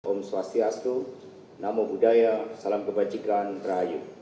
om swastiastu namo buddhaya salam kebajikan rahayu